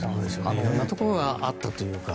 色んなところがあったというか。